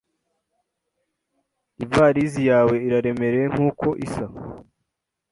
Ivalisi yawe iraremereye nkuko isa?